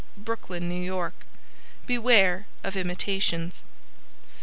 BROOKLYN, NY BEWARE OF IMITATIONS.